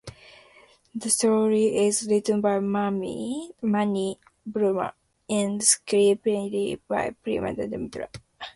The story is written by Mani Burma and screenplay by Premendra Mitra.